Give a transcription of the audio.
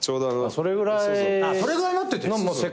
それぐらいなっててよ。